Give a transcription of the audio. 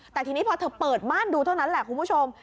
แต่ทีนี้พอเธอเปิดม่านดูเท่านั้นแหละคุณผู้ชม